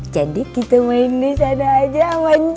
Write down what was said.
jadi kita main disana aja sama njus